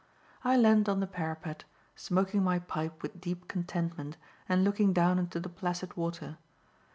I leaned on the parapet, smoking my pipe with deep contentment, and looking down into the placid water.